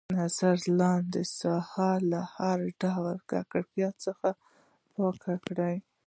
نظر لاندې ساحه له هر ډول ککړتیا څخه پاکه کړئ.